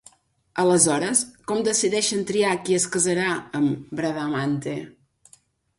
Aleshores, com decideixen triar qui es casarà amb Bradamante?